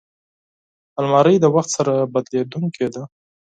الماري د وخت سره بدلېدونکې ده